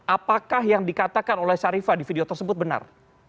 apakah yang dikatakan oleh syarifah di video tersebut benar